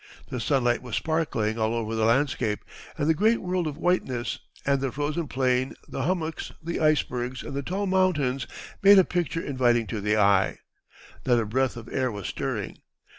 The sunlight was sparkling all over the landscape and the great world of whiteness; and the frozen plain, the hummocks, the icebergs, and the tall mountains made a picture inviting to the eye. Not a breath of air was stirring.